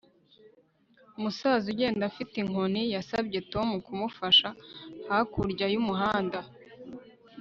Umusaza ugenda afite inkoni yasabye Tom kumufasha hakurya yumuhanda